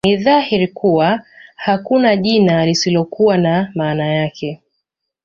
Ni dhahiri kuwa hakuna jina lisilokuwa na maana yake